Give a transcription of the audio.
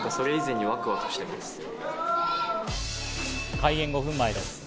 開演５分前です。